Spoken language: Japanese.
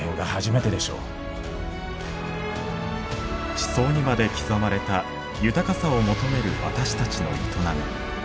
地層にまで刻まれた豊かさを求める私たちの営み。